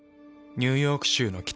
ニューヨーク州の北。